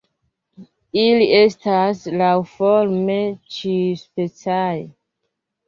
Ili estas laŭforme ĉiuspecaj.